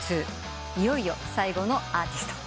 いよいよ最後のアーティスト。